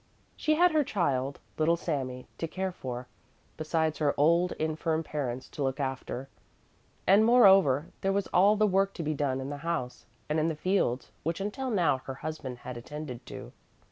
She had her child, little Sami, to care for, besides her old, infirm parents to look after, and moreover there was all the work to be done in the house and in the fields which until now her husband had attended to.